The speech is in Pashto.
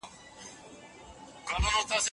علم به يوه ورځ د انسانيت ټولي ستونزي حل کړي.